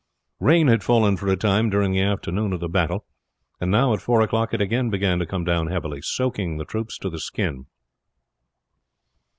Rain had fallen for a time during the afternoon of the battle, and now at four o'clock it again began to come down heavily, soaking the troops to the skin.